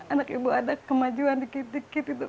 anak ibu ada kemajuan dikit dikit itu